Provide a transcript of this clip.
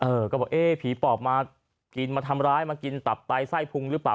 เออก็บอกเอ๊ะผีปอบมากินมาทำร้ายมากินตับไตไส้พุงหรือเปล่า